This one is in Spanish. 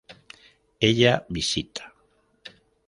Ella visita